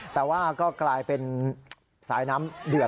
แต่ว่าก็กลายเป็นสายน้ำเดือด